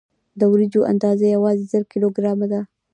د وریجو اندازه یوازې زر کیلو ګرامه ده.